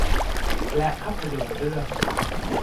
และภาพยนตร์เรื่อง